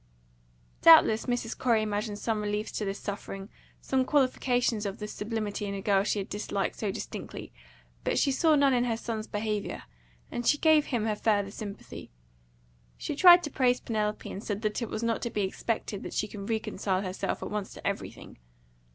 Doubtless Mrs. Corey imagined some reliefs to this suffering, some qualifications of this sublimity in a girl she had disliked so distinctly; but she saw none in her son's behaviour, and she gave him her further sympathy. She tried to praise Penelope, and said that it was not to be expected that she could reconcile herself at once to everything.